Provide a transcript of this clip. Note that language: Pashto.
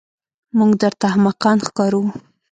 موږ درته احمقان ښکارو.